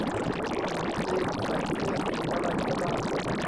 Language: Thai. ตรุษจีนใส่เสื้อสีอะไรก็ได้